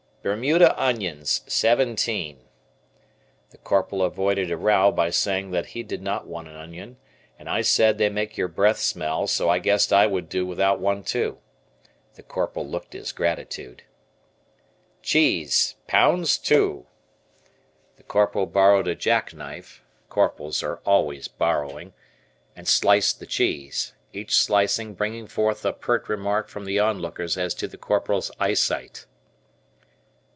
"Bermuda onions, seventeen." The Corporal avoided a row by saying that he did not want an onion, and I said they make your breath smell, so guessed I would do without one too. The Corporal looked his gratitude. "Cheese, pounds two." The Corporal borrowed a jackknife (corporals are always borrowing), and sliced the cheese, each slicing bringing forth a pert remark from the on lookers as to the Corporal's eyesight.